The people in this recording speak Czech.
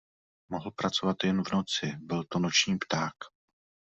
Mohl pracovat jen v noci, byl to noční pták.